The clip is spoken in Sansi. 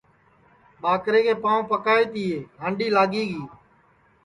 ٻاکرے کے پانٚؤ پکائے تیے ھانٚڈی لاگی گی